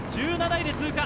１７位で通過。